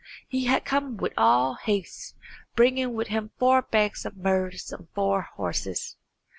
He had come with all haste, bringing with him four bags of muhrs on four horses.